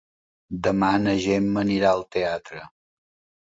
Demà na Gemma anirà al teatre.